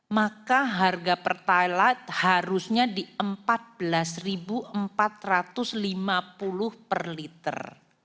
maka harga pertalite harusnya di rp empat belas empat ratus lima puluh per liter